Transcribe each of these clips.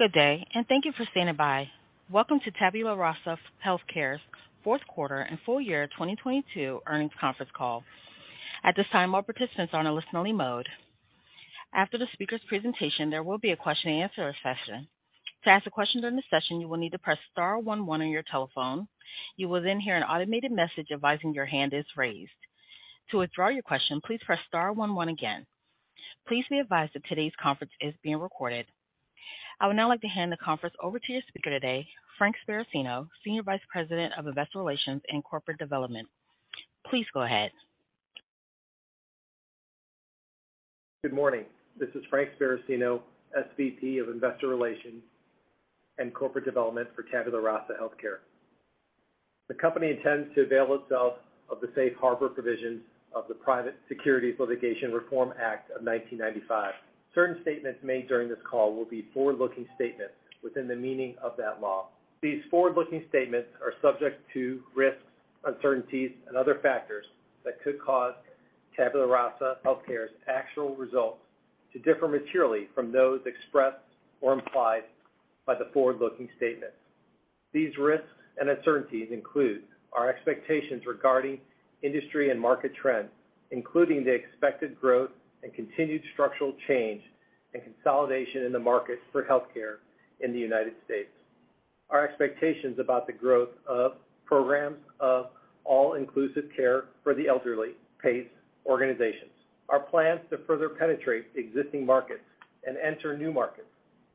Good day. Thank you for standing by. Welcome to Tabula Rasa HealthCare's fourth quarter and full year 2022 earnings conference call. At this time, all participants are on a listen only mode. After the speaker's presentation, there will be a question and answer session. To ask a question during the session, you will need to press star 11 on your telephone. You will then hear an automated message advising your hand is raised. To withdraw your question, please press star one one again. Please be advised that today's conference is being recorded. I would now like to hand the conference over to your speaker today, Frank Sparacino, Senior Vice President of Investor Relations and Corporate Development. Please go ahead. Good morning. This is Frank Sparacino, SVP of Investor Relations and Corporate Development for Tabula Rasa HealthCare. The company intends to avail itself of the safe harbor provisions of the Private Securities Litigation Reform Act of 1995. Certain statements made during this call will be forward-looking statements within the meaning of that law. These forward-looking statements are subject to risks, uncertainties and other factors that could cause Tabula Rasa HealthCare's actual results to differ materially from those expressed or implied by the forward-looking statements. These risks and uncertainties include our expectations regarding industry and market trends, including the expected growth and continued structural change and consolidation in the market for healthcare in the United States. Our expectations about the growth of Programs of All-inclusive Care for the Elderly PACE organizations. Our plans to further penetrate existing markets and enter new markets.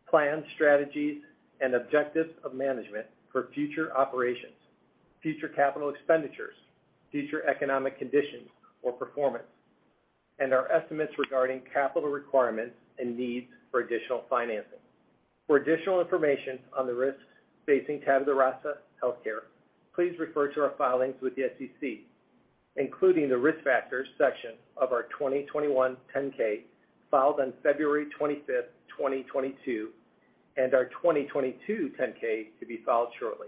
Plans, strategies and objectives of management for future operations, future capital expenditures, future economic conditions or performance, and our estimates regarding capital requirements and needs for additional financing. For additional information on the risks facing Tabula Rasa HealthCare, please refer to our filings with the SEC, including the Risk Factors section of our 2021 10-K, filed on 25 February 2022 and our 2022 10-K to be filed shortly.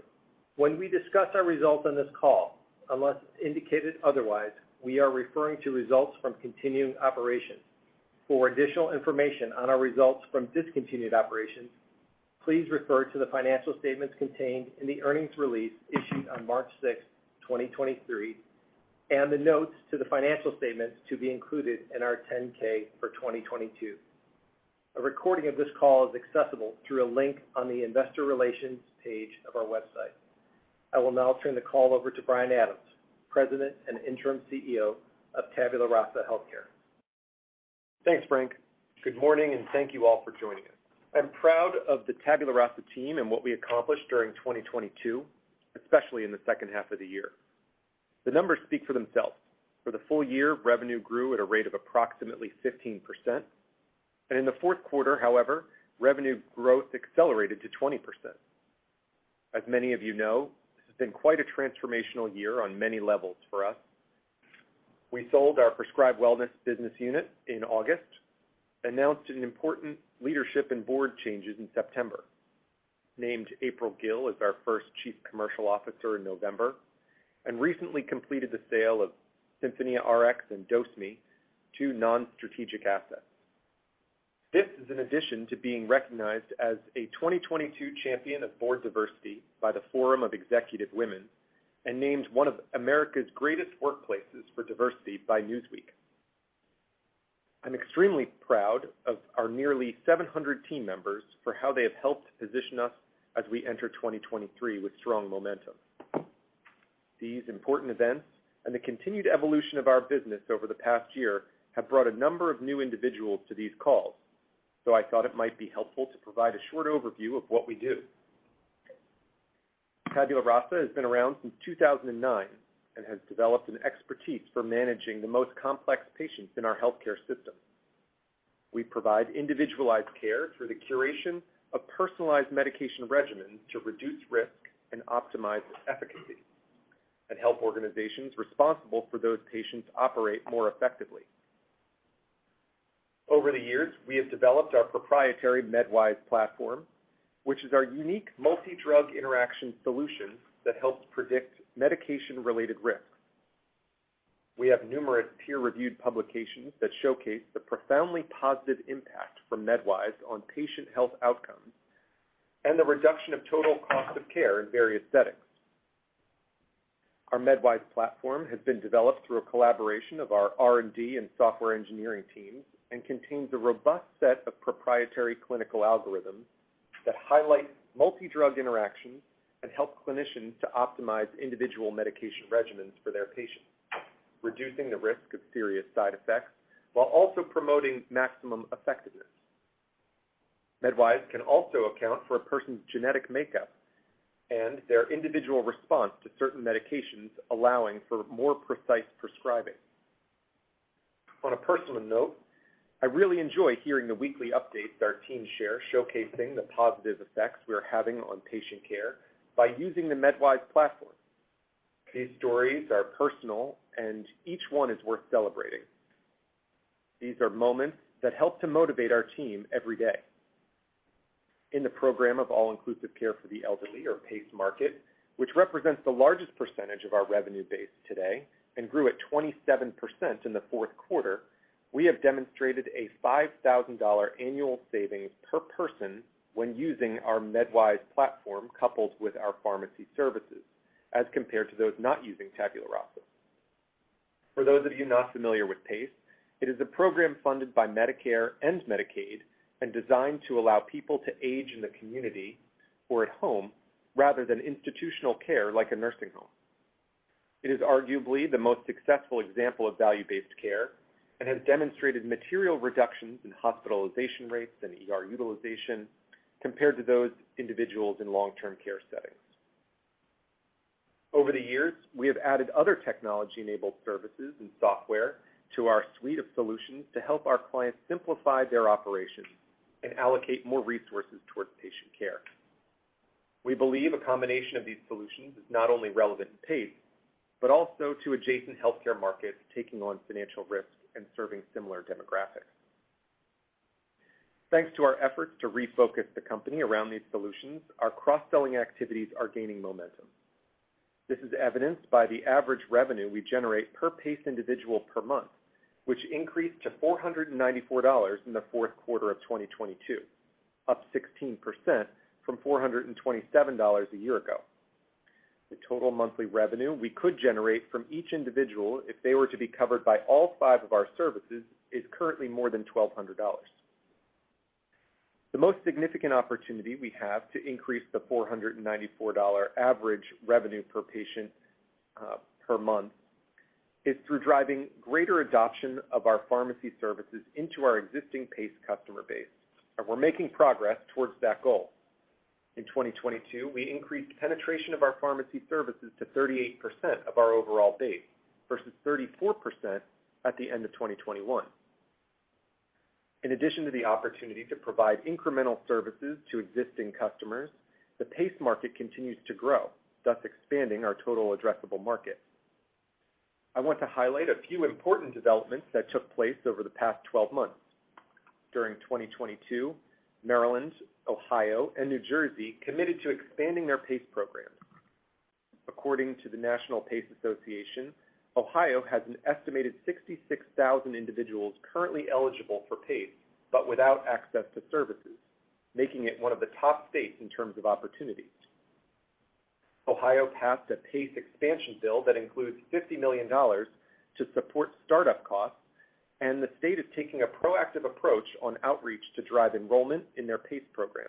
When we discuss our results on this call, unless indicated otherwise, we are referring to results from continuing operations. For additional information on our results from discontinued operations, please refer to the financial statements contained in the earnings release issued on 6 March 2023, and the notes to the financial statements to be included in our 10-K for 2022. A recording of this call is accessible through a link on the investor relations page of our website. I will now turn the call over to Brian Adams, President and Interim CEO of Tabula Rasa HealthCare. Thanks, Frank. Good morning, and thank you all for joining us. I'm proud of the Tabula Rasa team and what we accomplished during 2022, especially in the second half of the year. The numbers speak for themselves. For the full year, revenue grew at a rate of approximately 15%, and in the fourth quarter, however, revenue growth accelerated to 20%. As many of you know, this has been quite a transformational year on many levels for us. We sold our PrescribeWellness business unit in August, announced an important leadership and board changes in September, named April Gill as our first Chief Commercial Officer in November, and recently completed the sale of SinfoníaRx and DoseMeRx to non-strategic assets. This is in addition to being recognized as a 2022 Champion of Board Diversity by The Forum of Executive Women and named one of America's greatest workplaces for diversity by Newsweek. I'm extremely proud of our nearly 700 team members for how they have helped position us as we enter 2023 with strong momentum. These important events and the continued evolution of our business over the past year have brought a number of new individuals to these calls, I thought it might be helpful to provide a short overview of what we do. Tabula Rasa has been around since 2009 and has developed an expertise for managing the most complex patients in our healthcare system. We provide individualized care through the curation of personalized medication regimens to reduce risk and optimize efficacy and help organizations responsible for those patients operate more effectively. Over the years, we have developed our proprietary MedWise platform, which is our unique multi-drug interaction solution that helps predict medication-related risks. We have numerous peer-reviewed publications that showcase the profoundly positive impact from MedWise on patient health outcomes and the reduction of total cost of care in various settings. Our MedWise platform has been developed through a collaboration of our R&D and software engineering teams and contains a robust set of proprietary clinical algorithms that highlight multi-drug interactions and help clinicians to optimize individual medication regimens for their patients, reducing the risk of serious side effects while also promoting maximum effectiveness. MedWise can also account for a person's genetic makeup and their individual response to certain medications, allowing for more precise prescribing. On a personal note, I really enjoy hearing the weekly updates our teams share, showcasing the positive effects we are having on patient care by using the MedWise platform. These stories are personal, and each one is worth celebrating. These are moments that help to motivate our team every day. In the program of All-inclusive Care for the Elderly, or PACE market, which represents the largest percentage of our revenue base today and grew at 27% in the fourth quarter. We have demonstrated a $5,000 annual savings per person when using our MedWise platform coupled with our pharmacy services as compared to those not using Tabula Rasa. For those of you not familiar with PACE, it is a program funded by Medicare and Medicaid and designed to allow people to age in the community or at home rather than institutional care like a nursing home. It is arguably the most successful example of value-based care and has demonstrated material reductions in hospitalization rates and ER utilization compared to those individuals in long-term care settings. Over the years, we have added other technology-enabled services and software to our suite of solutions to help our clients simplify their operations and allocate more resources towards patient care. We believe a combination of these solutions is not only relevant to PACE, but also to adjacent healthcare markets taking on financial risks and serving similar demographics. Thanks to our efforts to refocus the company around these solutions, our cross-selling activities are gaining momentum. This is evidenced by the average revenue we generate per PACE individual per month, which increased to $494 in the fourth quarter of 2022, up 16% from $427 a year ago. The total monthly revenue we could generate from each individual if they were to be covered by all five of our services is currently more than $1,200. The most significant opportunity we have to increase the $494 average revenue per patient per month is through driving greater adoption of our pharmacy services into our existing PACE customer base. We're making progress towards that goal. In 2022, we increased penetration of our pharmacy services to 38% of our overall base versus 34% at the end of 2021. In addition to the opportunity to provide incremental services to existing customers, the PACE market continues to grow, thus expanding our total addressable market. I want to highlight a few important developments that took place over the past 12 months. During 2022, Maryland, Ohio, and New Jersey committed to expanding their PACE programs. According to the National PACE Association, Ohio has an estimated 66,000 individuals currently eligible for PACE, but without access to services, making it one of the top states in terms of opportunities. Ohio passed a PACE expansion bill that includes $50 million to support startup costs, and the state is taking a proactive approach on outreach to drive enrollment in their PACE program.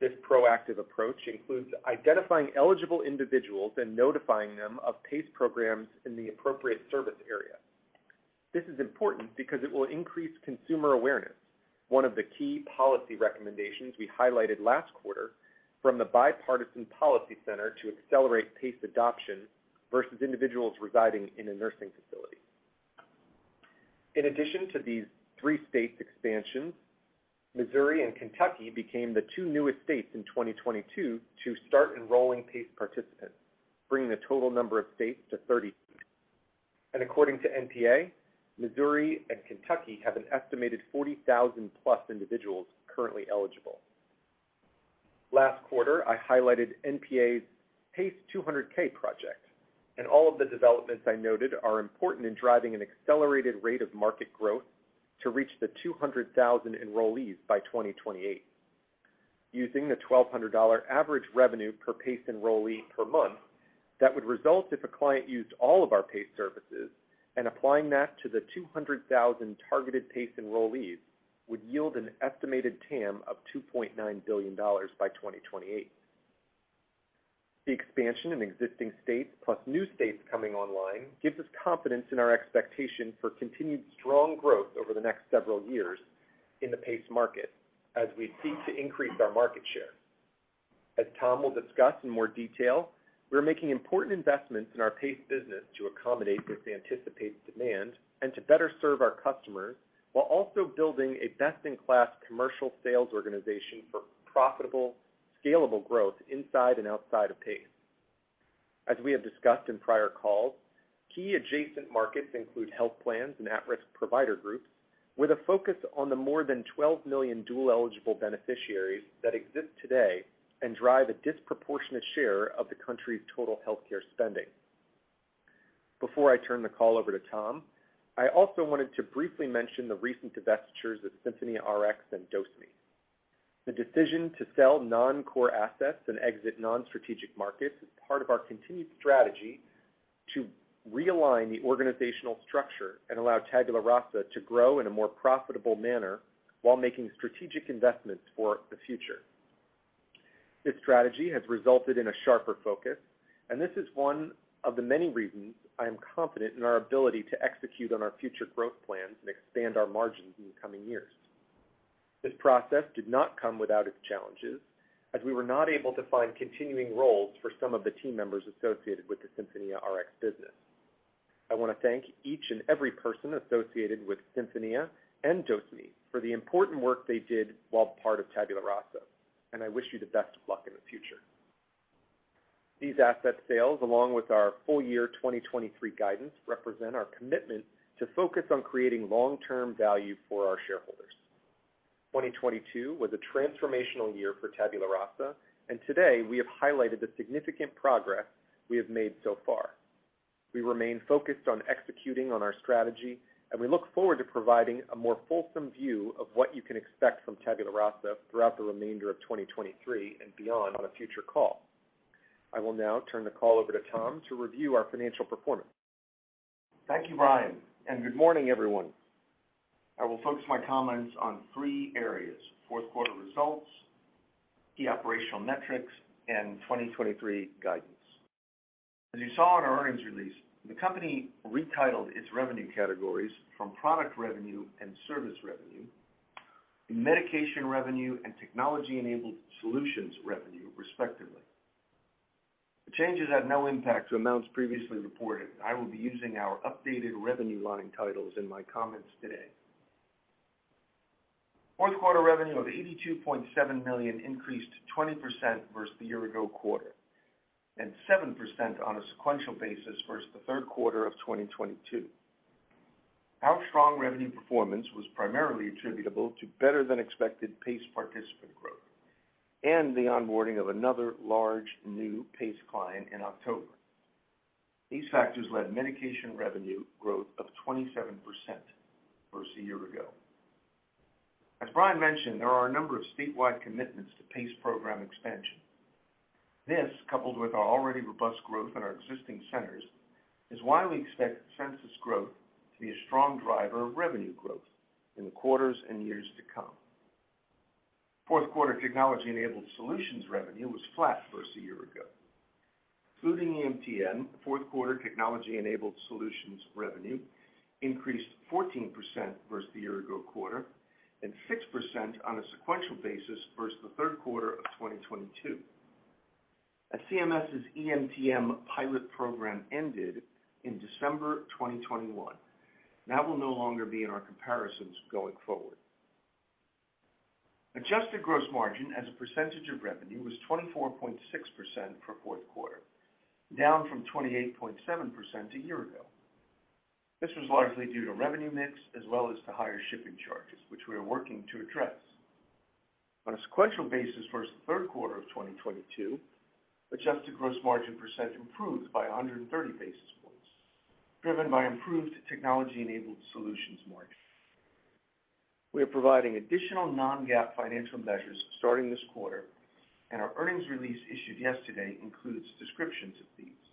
This proactive approach includes identifying eligible individuals and notifying them of PACE programs in the appropriate service area. This is important because it will increase consumer awareness, one of the key policy recommendations we highlighted last quarter from the Bipartisan Policy Center to accelerate PACE adoption versus individuals residing in a nursing facility. In addition to these three states' expansions, Missouri and Kentucky became the two newest states in 2022 to start enrolling PACE participants, bringing the total number of states to 30. According to NPA, Missouri and Kentucky have an estimated 40,000+ individuals currently eligible. Last quarter, I highlighted NPA's PACE 200K project, and all of the developments I noted are important in driving an accelerated rate of market growth to reach the 200,000 enrollees by 2028. Using the $1,200 average revenue per PACE enrollee per month, that would result if a client used all of our PACE services, and applying that to the 200,000 targeted PACE enrollees would yield an estimated TAM of $2.9 billion by 2028. The expansion in existing states plus new states coming online gives us confidence in our expectation for continued strong growth over the next several years in the PACE market as we seek to increase our market share. As Tom will discuss in more detail, we're making important investments in our PACE business to accommodate this anticipated demand and to better serve our customers while also building a best-in-class commercial sales organization for profitable, scalable growth inside and outside of PACE. As we have discussed in prior calls, key adjacent markets include health plans and at-risk provider groups with a focus on the more than 12 million dual-eligible beneficiaries that exist today and drive a disproportionate share of the country's total healthcare spending. Before I turn the call over to Tom, I also wanted to briefly mention the recent divestitures of SinfoníaRx and DoseMeRx. The decision to sell non-core assets and exit non-strategic markets is part of our continued strategy to realign the organizational structure and allow Tabula Rasa to grow in a more profitable manner while making strategic investments for the future. This strategy has resulted in a sharper focus, this is one of the many reasons I am confident in our ability to execute on our future growth plans and expand our margins in the coming years. This process did not come without its challenges as we were not able to find continuing roles for some of the team members associated with the SinfoníaRx business. I wanna thank each and every person associated with Sinfonía and DoseMeRx for the important work they did while part of Tabula Rasa, I wish you the best of luck in the future. These asset sales, along with our full year 2023 guidance, represent our commitment to focus on creating long-term value for our shareholders. 2022 was a transformational year for Tabula Rasa, and today we have highlighted the significant progress we have made so far. We remain focused on executing on our strategy, and we look forward to providing a more fulsome view of what you can expect from Tabula Rasa throughout the remainder of 2023 and beyond on a future call. I will now turn the call over to Tom to review our financial performance. Thank you, Brian. Good morning, everyone. I will focus my comments on three areas: fourth quarter results, key operational metrics, and 2023 guidance. As you saw in our earnings release, the company retitled its revenue categories from product revenue and service revenue to medication revenue and technology-enabled solutions revenue, respectively. The changes had no impact to amounts previously reported. I will be using our updated revenue line titles in my comments today. Fourth quarter revenue of $82.7 million increased 20% versus the year ago quarter, and 7% on a sequential basis versus the third quarter of 2022. Our strong revenue performance was primarily attributable to better than expected PACE participant growth and the onboarding of another large new PACE client in October. These factors led medication revenue growth of 27% versus a year ago. As Brian mentioned, there are a number of statewide commitments to PACE program expansion. This, coupled with our already robust growth in our existing centers, is why we expect census growth to be a strong driver of revenue growth in the quarters and years to come. Fourth quarter technology-enabled solutions revenue was flat versus a year ago. Including EMTM, fourth quarter technology-enabled solutions revenue increased 14% versus the year ago quarter and 6% on a sequential basis versus the third quarter of 2022. As CMS' EMTM pilot program ended in December 2021, that will no longer be in our comparisons going forward. Adjusted gross margin as a percentage of revenue was 24.6% for fourth quarter, down from 28.7% a year ago. This was largely due to revenue mix as well as to higher shipping charges, which we are working to address. On a sequential basis versus the third quarter of 2022, adjusted gross margin % improved by 130 basis points, driven by improved technology-enabled solutions margin. We are providing additional non-GAAP financial measures starting this quarter, and our earnings release issued yesterday includes descriptions of these.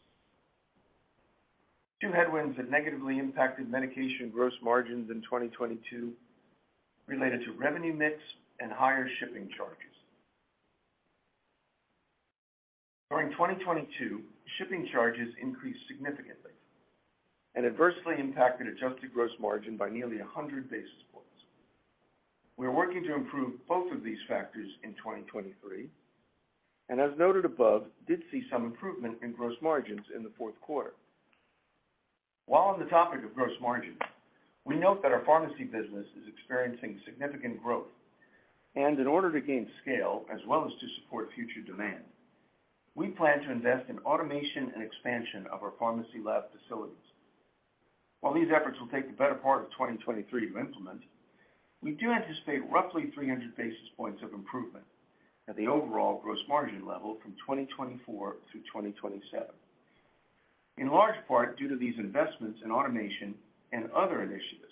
Two headwinds that negatively impacted medication gross margins in 2022 related to revenue mix and higher shipping charges. During 2022, shipping charges increased significantly and adversely impacted adjusted gross margin by nearly 100 basis points. We are working to improve both of these factors in 2023 and as noted above, did see some improvement in gross margins in the fourth quarter. While on the topic of gross margins, we note that our pharmacy business is experiencing significant growth and in order to gain scale as well as to support future demand, we plan to invest in automation and expansion of our pharmacy lab facilities. These efforts will take the better part of 2023 to implement, we do anticipate roughly 300 basis points of improvement at the overall gross margin level from 2024 through 2027. In large part, due to these investments in automation and other initiatives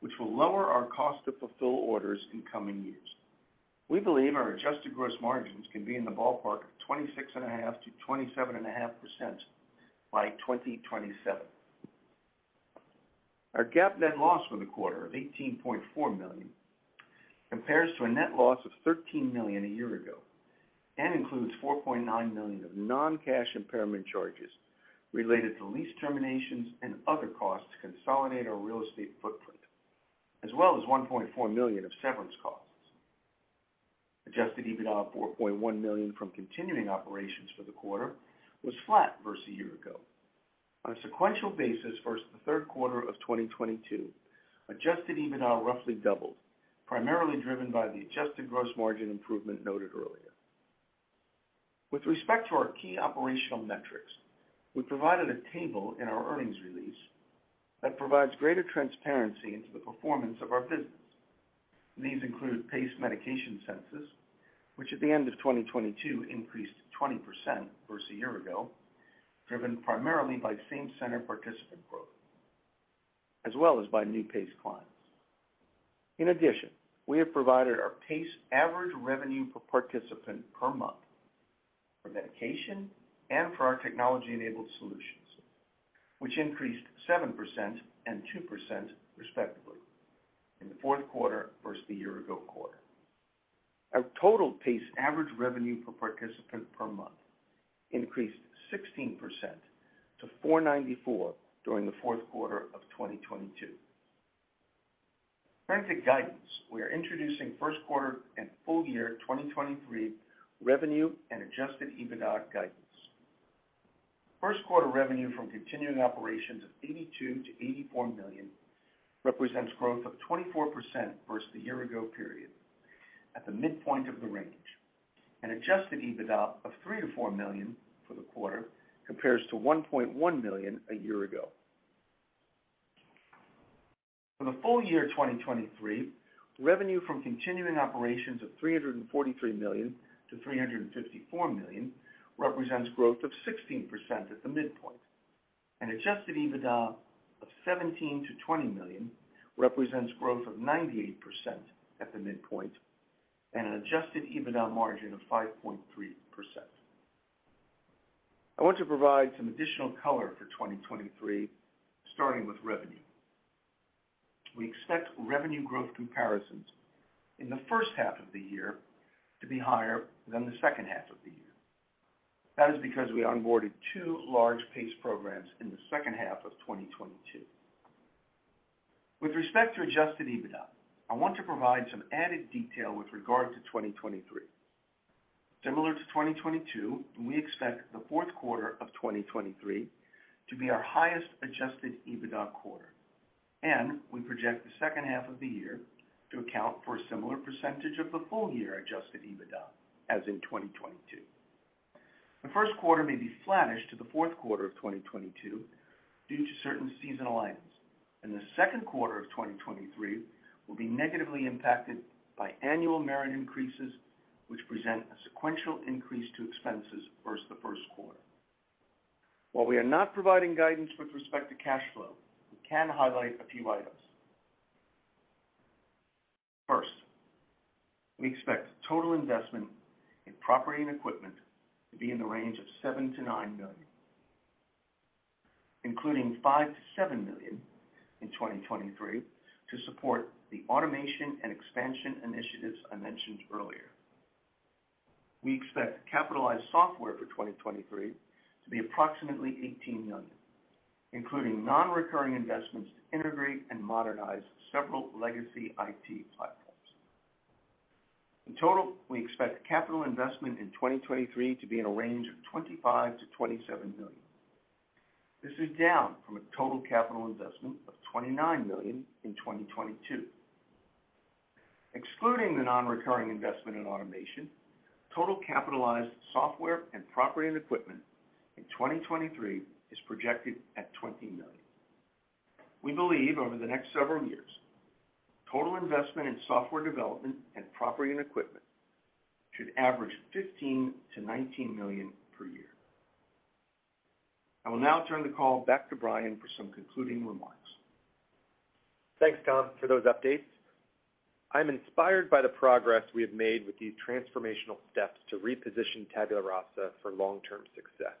which will lower our cost to fulfill orders in coming years. We believe our adjusted gross margins can be in the ballpark of 26.5%-27.5% by 2027. Our GAAP net loss for the quarter of $18.4 million compares to a net loss of $13 million a year ago and includes $4.9 million of non-cash impairment charges related to lease terminations and other costs to consolidate our real estate footprint, as well as $1.4 million of severance costs. Adjusted EBITDA of $4.1 million from continuing operations for the quarter was flat versus a year ago. On a sequential basis versus the third quarter of 2022, adjusted EBITDA roughly doubled, primarily driven by the adjusted gross margin improvement noted earlier. With respect to our key operational metrics, we provided a table in our earnings release that provides greater transparency into the performance of our business. These include PACE medication census, which at the end of 2022 increased 20% versus a year ago, driven primarily by same-center participant growth as well as by new PACE clients. We have provided our PACE average revenue per participant per month for medication and for our technology-enabled solutions, which increased 7% and 2% respectively in the fourth quarter versus the year ago quarter. Our total PACE average revenue per participant per month increased 16% to $494 during the fourth quarter of 2022. Turning to guidance, we are introducing first quarter and full year 2023 revenue and adjusted EBITDA guidance. First quarter revenue from continuing operations of $82 million-$84 million represents growth of 24% versus the year ago period at the midpoint of the range. An adjusted EBITDA of $3 million-$4 million for the quarter compares to $1.1 million a year ago. For the full year 2023, revenue from continuing operations of $343 million-$354 million represents growth of 16% at the midpoint. An adjusted EBITDA of $17 million-$20 million represents growth of 98% at the midpoint and an adjusted EBITDA margin of 5.3%. I want to provide some additional color for 2023, starting with revenue. We expect revenue growth comparisons in the first half of the year to be higher than the second half of the year. That is because we onboarded two large PACE programs in the second half of 2022. With respect to adjusted EBITDA, I want to provide some added detail with regard to 2023. Similar to 2022, we expect the fourth quarter of 2023 to be our highest adjusted EBITDA quarter, and we project the second half of the year to account for a similar percentage of the full year adjusted EBITDA as in 2022. The first quarter may be flattish to the fourth quarter of 2022 due to certain seasonal items, and the second quarter of 2023 will be negatively impacted by annual merit increases, which present a sequential increase to expenses versus the first quarter. While we are not providing guidance with respect to cash flow, we can highlight a few items. First, we expect total investment in property and equipment to be in the range of $7 million-$9 million, including $5 million-$7 million in 2023 to support the automation and expansion initiatives I mentioned earlier. We expect capitalized software for 2023 to be approximately $18 million, including non-recurring investments to integrate and modernize several legacy IT platforms. In total, we expect capital investment in 2023 to be in a range of $25 million-$27 million. This is down from a total capital investment of $29 million in 2022. Excluding the non-recurring investment in automation, total capitalized software and property and equipment in 2023 is projected at $20 million. We believe over the next several years, total investment in software development and property and equipment should average $15 million-$19 million per year. I will now turn the call back to Brian for some concluding remarks. Thanks, Tom, for those updates. I'm inspired by the progress we have made with these transformational steps to reposition Tabula Rasa for long-term success.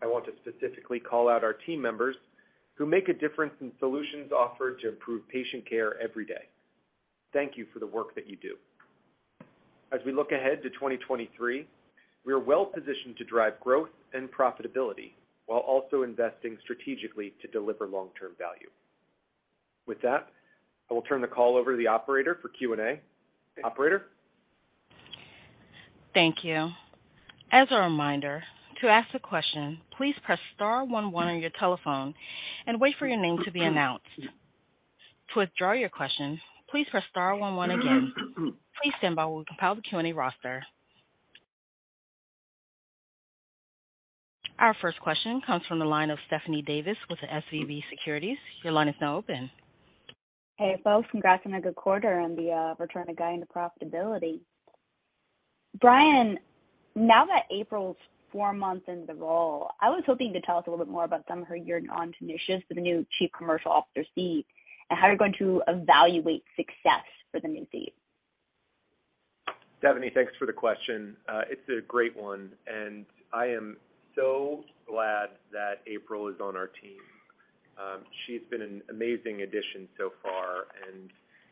I want to specifically call out our team members who make a difference in solutions offered to improve patient care every day. Thank you for the work that you do. As we look ahead to 2023, we are well-positioned to drive growth and profitability while also investing strategically to deliver long-term value. With that, I will turn the call over to the operator for Q&A. Operator? Thank you. As a reminder, to ask a question, please press star one one on your telephone and wait for your name to be announced. To withdraw your question, please press star one one again. Please stand by while we compile the Q&A roster. Our first question comes from the line of Stephanie Davis with SVB Securities. Your line is now open. Hey, folks. Congrats on a good quarter and the return to guiding the profitability. Brian, now that April's four months into the role, I was hoping you could tell us a little bit more about some of her year-end initiatives for the new chief commercial officer seat, and how you're going to evaluate success for the new seat. Stephanie, thanks for the question. It's a great one. I am so glad that April Gill is on our team. She's been an amazing addition so far.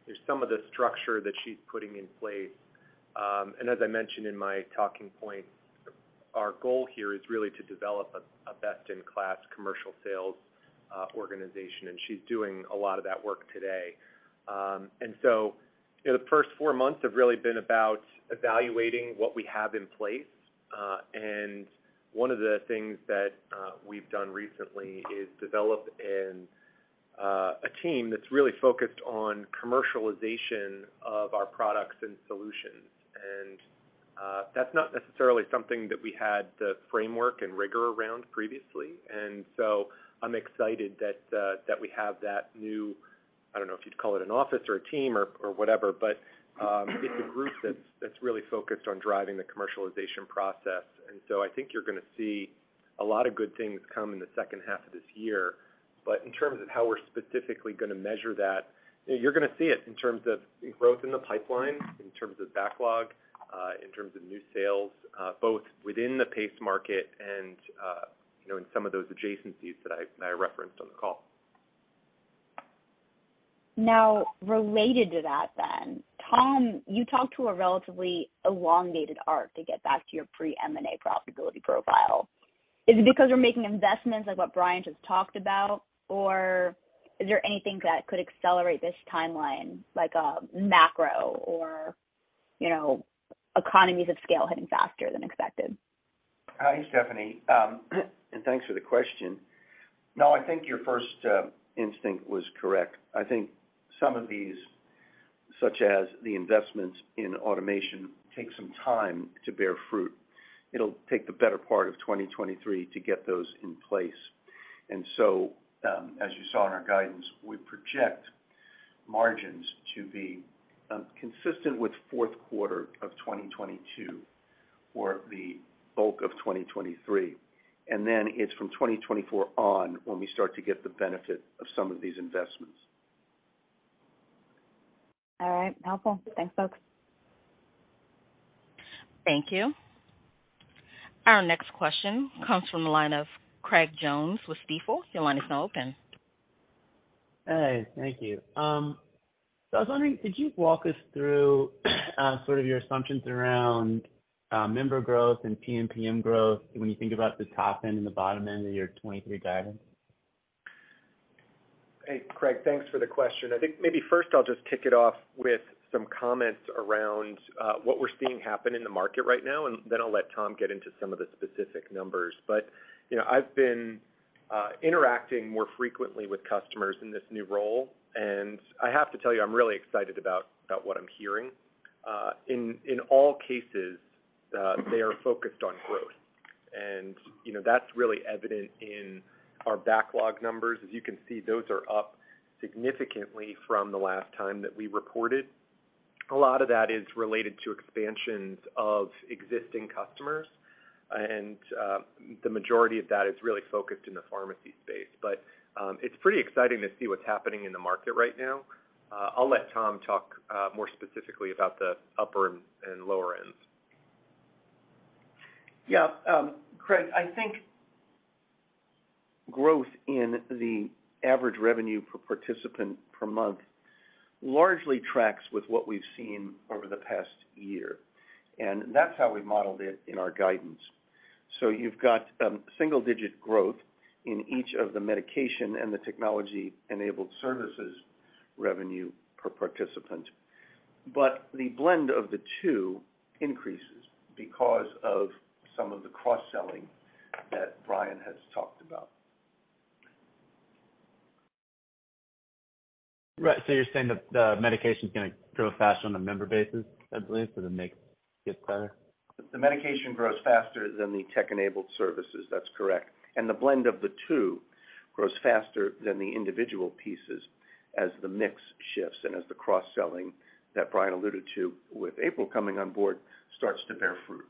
There's some of the structure that she's putting in place. As I mentioned in my talking points, our goal here is really to develop a best-in-class commercial sales organization, and she's doing a lot of that work today. You know, the first four months have really been about evaluating what we have in place. One of the things that we've done recently is develop an a team that's really focused on commercialization of our products and solutions. That's not necessarily something that we had the framework and rigor around previously. I'm excited that we have that new, I don't know if you'd call it an office or a team or whatever, but it's a group that's really focused on driving the commercialization process. I think you're gonna see a lot of good things come in the second half of this year. In terms of how we're specifically gonna measure that, you're gonna see it in terms of growth in the pipeline, in terms of backlog, in terms of new sales, both within the PACE market and, you know, in some of those adjacencies that I referenced on the call. Related to that then, Tom, you talked to a relatively elongated arc to get back to your pre-M&A profitability profile. Is it because we're making investments like what Brian just talked about, or is there anything that could accelerate this timeline, like a macro or, you know, economies of scale hitting faster than expected? Hi, Stephanie, thanks for the question. No, I think your first instinct was correct. I think some of theseSuch as the investments in automation take some time to bear fruit. It'll take the better part of 2023 to get those in place. As you saw in our guidance, we project margins to be consistent with fourth quarter of 2022 for the bulk of 2023. It's from 2024 on when we start to get the benefit of some of these investments. All right. Helpful. Thanks, folks. Thank you. Our next question comes from the line of Craig Jones with Stifel. Your line is now open. Hey, thank you. I was wondering, could you walk us through, sort of your assumptions around, member growth and PMPM growth when you think about the top end and the bottom end of your 2023 guidance? Hey, Craig, thanks for the question. I think maybe first I'll just kick it off with some comments around what we're seeing happen in the market right now, and then I'll let Tom get into some of the specific numbers. You know, I've been interacting more frequently with customers in this new role, and I have to tell you, I'm really excited about what I'm hearing. In all cases, they are focused on growth. You know, that's really evident in our backlog numbers. As you can see, those are up significantly from the last time that we reported. A lot of that is related to expansions of existing customers. The majority of that is really focused in the pharmacy space. It's pretty exciting to see what's happening in the market right now. I'll let Tom talk, more specifically about the upper and lower ends. Yeah. Craig, I think growth in the average revenue per participant per month largely tracks with what we've seen over the past year, and that's how we modeled it in our guidance. You've got single-digit growth in each of the medication and the technology-enabled services revenue per participant. The blend of the two increases because of some of the cross-selling that Brian has talked about. Right. You're saying that the medication is gonna grow faster on a member basis, I believe, so the mix gets better? The medication grows faster than the tech-enabled services. That's correct. The blend of the two grows faster than the individual pieces as the mix shifts and as the cross-selling that Brian alluded to with April coming on board starts to bear fruit.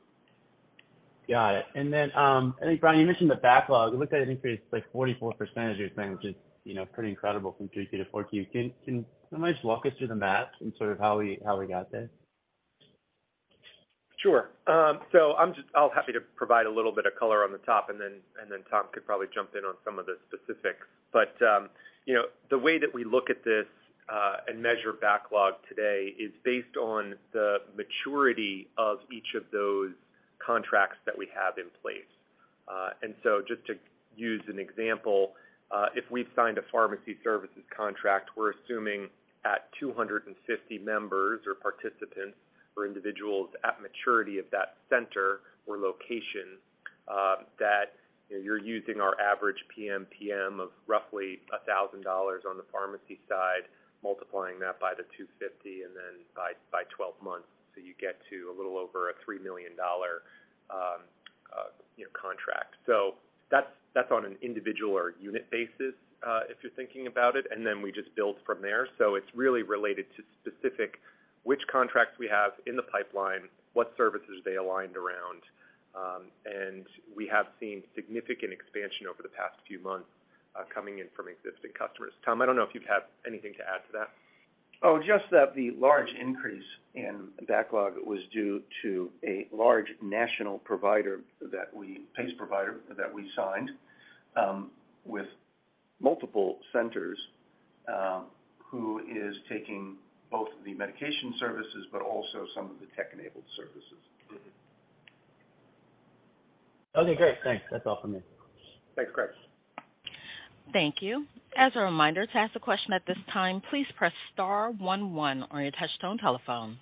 Got it. Then, I think, Brian, you mentioned the backlog. It looked like it increased, like 44%, as you were saying, which is, you know, pretty incredible from 2Q to 4Q. Wanna just walk us through the math and sort of how we got there? Sure. I'll happy to provide a little bit of color on the top, and then Tom could probably jump in on some of the specifics. The way that we look at this and measure backlog today is based on the maturity of each of those contracts that we have in place. Just to use an example, if we've signed a pharmacy services contract, we're assuming at 250 members or participants or individuals at maturity of that center or location, you're using our average PMPM of roughly $1,000 on the pharmacy side, multiplying that by the 250 and then by 12 months, so you get to a little over a $3 million contract. That's, that's on an individual or unit basis, if you're thinking about it, and then we just build from there. It's really related to specific which contracts we have in the pipeline, what services they aligned around. We have seen significant expansion over the past few months, coming in from existing customers. Tom, I don't know if you have anything to add to that. Just that the large increase in backlog was due to a large national provider, PACE provider that we signed with multiple centers who is taking both the medication services but also some of the tech-enabled services. Okay, great. Thanks. That's all for me. Thanks, Craig. Thank you. As a reminder, to ask a question at this time, please press star one one on your touch tone telephone.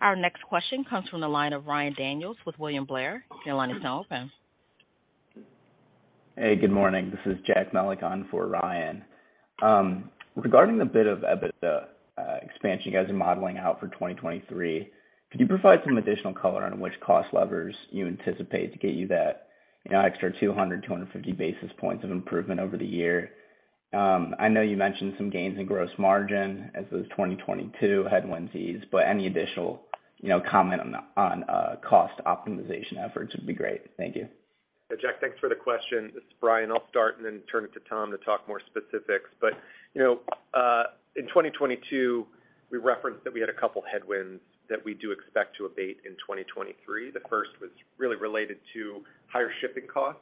Our next question comes from the line of Ryan Daniels with William Blair. Your line is now open. Hey, good morning. This is Jack Mulligan for Ryan. Regarding the bit of EBITDA expansion you guys are modeling out for 2023, could you provide some additional color on which cost levers you anticipate to get you that, you know, extra 200, 250 basis points of improvement over the year? I know you mentioned some gains in gross margin as those 2022 headwinds ease. Any additional, you know, comment on cost optimization efforts would be great. Thank you. Jack, thanks for the question. This is Brian. I'll start and then turn it to Tom to talk more specifics. You know, in 2022, we referenced that we had a couple headwinds that we do expect to abate in 2023. The first was really related to higher shipping costs,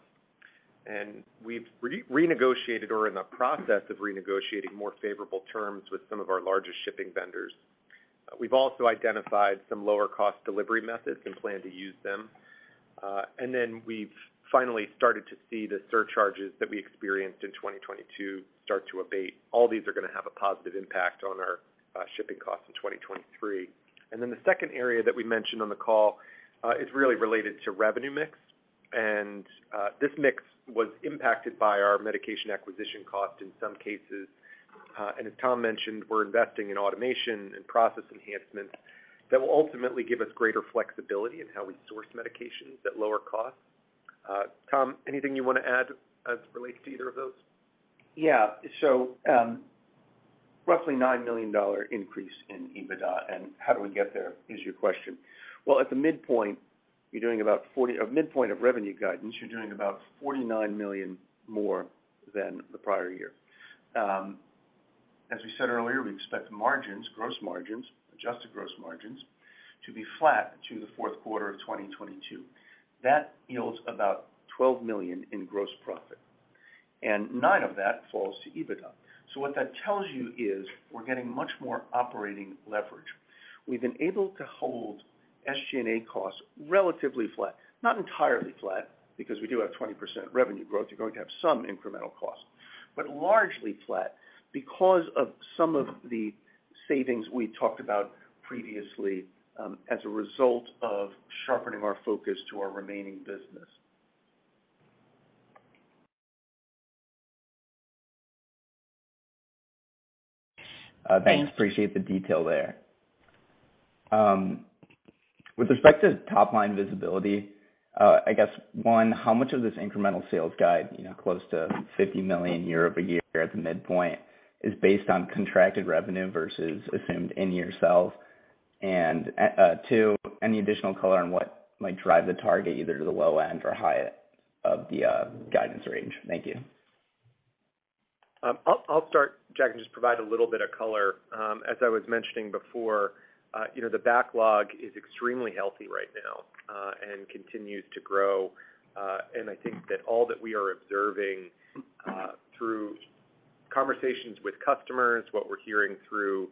and we've renegotiated or are in the process of renegotiating more favorable terms with some of our largest shipping vendors. We've also identified some lower cost delivery methods and plan to use them. We've finally started to see the surcharges that we experienced in 2022 start to abate. All these are gonna have a positive impact on our shipping costs in 2023. The second area that we mentioned on the call is really related to revenue mix. This mix was impacted by our medication acquisition cost in some cases. As Tom mentioned, we're investing in automation and process enhancements that will ultimately give us greater flexibility in how we source medications at lower costs. Tom, anything you wanna add as relates to either of those? Roughly $9 million increase in EBITDA. How do we get there is your question. Well, at the midpoint, you're doing about a midpoint of revenue guidance, you're doing about $49 million more than the prior year. As we said earlier, we expect margins, gross margins, adjusted gross margins to be flat to the fourth quarter of 2022. That yields about $12 million in gross profit. Nine of that falls to EBITDA. What that tells you is we're getting much more operating leverage. We've been able to hold SG&A costs relatively flat, not entirely flat, because we do have 20% revenue growth. You're going to have some incremental costs, largely flat because of some of the savings we talked about previously, as a result of sharpening our focus to our remaining business. Thanks. Appreciate the detail there. With respect to top line visibility, I guess, one, how much of this incremental sales guide, you know, close to $50 million year-over-year at the midpoint is based on contracted revenue versus assumed in-year sales. Two, any additional color on what might drive the target either to the low end or high of the guidance range. Thank you. I'll start, Jack, and just provide a little bit of color. As I was mentioning before, you know, the backlog is extremely healthy right now and continues to grow. I think that all that we are observing through conversations with customers, what we're hearing through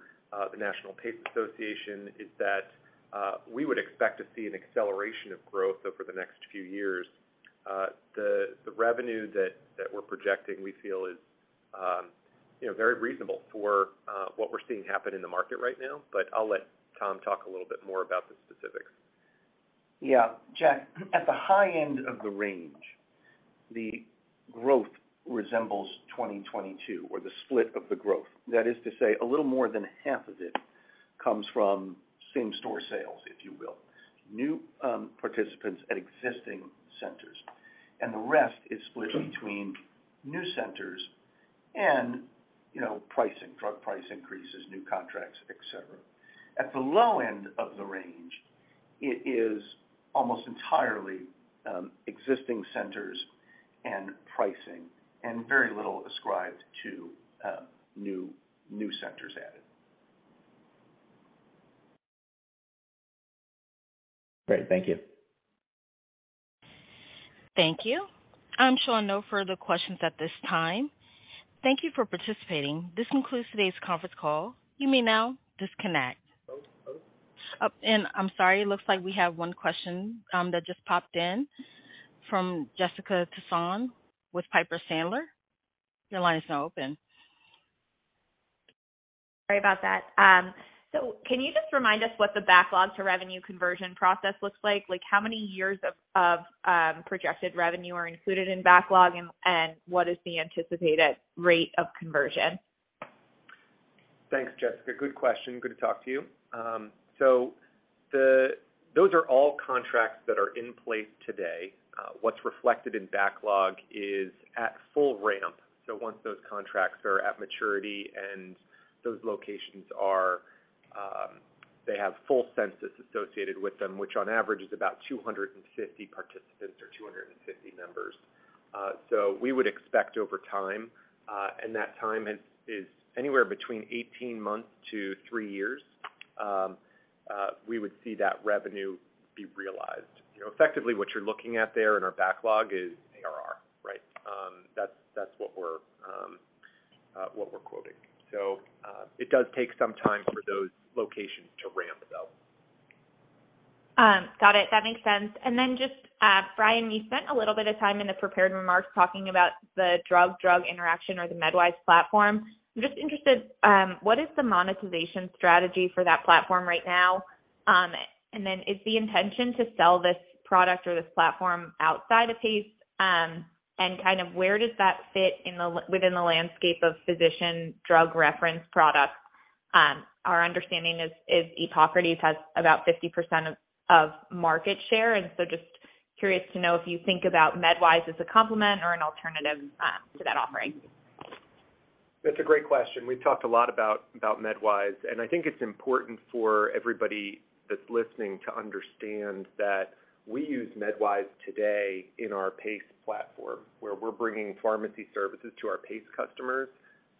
the National PACE Association is that we would expect to see an acceleration of growth over the next few years. The revenue that we're projecting, we feel is, you know, very reasonable for what we're seeing happen in the market right now. I'll let Tom talk a little bit more about the specifics. Yeah. Jack, at the high end of the range, the growth resembles 2022 or the split of the growth. That is to say a little more than half of it comes from same store sales, if you will. New participants at existing centers. The rest is split between new centers and, you know, pricing, drug price increases, new contracts, et cetera. At the low end of the range, it is almost entirely existing centers and pricing and very little ascribed to new centers added. Great. Thank you. Thank you. I'm showing no further questions at this time. Thank you for participating. This concludes today's conference call. You may now disconnect. I'm sorry. It looks like we have one question that just popped in from Jessica Tassan with Piper Sandler. Your line is now open. Sorry about that. Can you just remind us what the backlog to revenue conversion process looks like? Like, how many years of projected revenue are included in backlog and what is the anticipated rate of conversion? Thanks, Jessica. Good question. Good to talk to you. So those are all contracts that are in place today. What's reflected in backlog is at full ramp. Once those contracts are at maturity and those locations are, they have full census associated with them, which on average is about 250 participants or 250 members. We would expect over time, and that time is anywhere between 18 months to three years, we would see that revenue be realized. You know, effectively what you're looking at there in our backlog is ARR, right? That's what we're quoting. It does take some time for those locations to ramp, though. Got it. That makes sense. Just, Brian, you spent a little bit of time in the prepared remarks talking about the drug-drug interaction or the MedWise platform. I'm just interested, what is the monetization strategy for that platform right now? Is the intention to sell this product or this platform outside of PACE? And kind of where does that fit within the landscape of physician drug reference products? Our understanding is, Epocrates has about 50% of market share. Just curious to know if you think about MedWise as a complement or an alternative to that offering. That's a great question. We've talked a lot about MedWise, and I think it's important for everybody that's listening to understand that we use MedWise today in our PACE platform, where we're bringing pharmacy services to our PACE customers.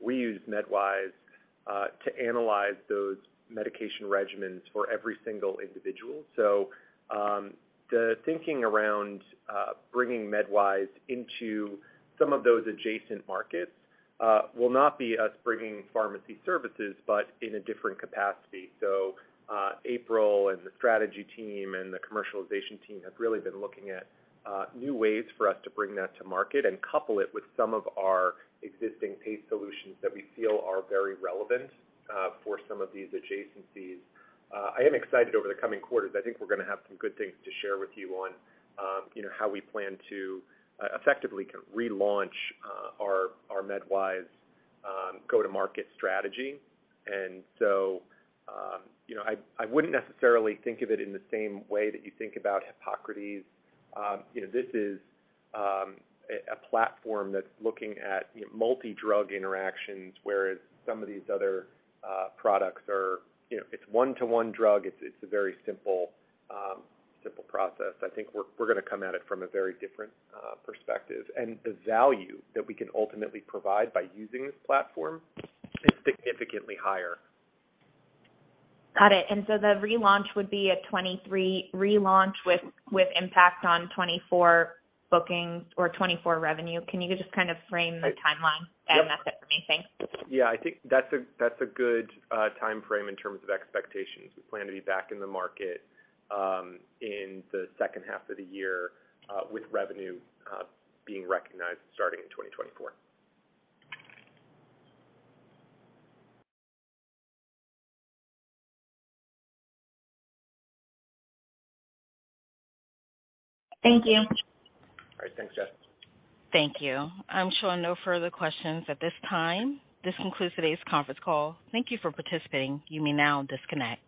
We use MedWise to analyze those medication regimens for every single individual. The thinking around bringing MedWise into some of those adjacent markets will not be us bringing pharmacy services, but in a different capacity. April and the strategy team and the commercialization team have really been looking at new ways for us to bring that to market and couple it with some of our existing PACE solutions that we feel are very relevant for some of these adjacencies. I am excited over the coming quarters. I think we're gonna have some good things to share with you on, you know, how we plan to effectively relaunch our MedWise go-to-market strategy. You know, I wouldn't necessarily think of it in the same way that you think about Epocrates. You know, this is a platform that's looking at, you know, multi-drug interactions, whereas some of these other products are, you know, it's one-to-one drug. It's, it's a very simple process. I think we're gonna come at it from a very different perspective. The value that we can ultimately provide by using this platform is significantly higher. Got it. The relaunch would be a 2023 relaunch with impact on 2024 bookings or 2024 revenue. Can you just kind of frame the timeline? That method for me. Thanks. Yeah, I think that's a, that's a good timeframe in terms of expectations. We plan to be back in the market, in the second half of the year, with revenue being recognized starting in 2024. Thank you. All right. Thanks, Jess. Thank you. I'm showing no further questions at this time. This concludes today's conference call. Thank you for participating. You may now disconnect.